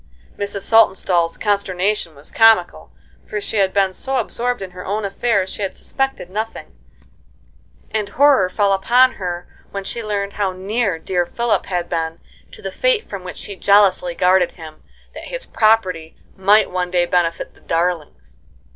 Mrs. Saltonstall's consternation was comical, for she had been so absorbed in her own affairs she had suspected nothing; and horror fell upon her when she learned how near dear Philip had been to the fate from which she jealously guarded him, that his property might one day benefit the darlings.